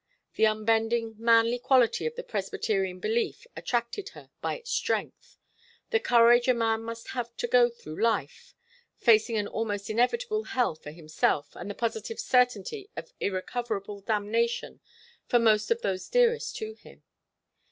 The unbending, manly quality of the Presbyterian belief attracted her by its strength the courage a man must have to go through life facing an almost inevitable hell for himself and the positive certainty of irrecoverable damnation for most of those dearest to him.